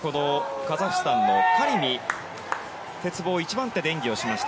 カザフスタンのカリミ鉄棒１番手で演技をしました。